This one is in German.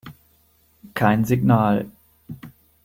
Kein Signal.